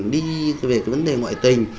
đi về cái vấn đề ngoại tình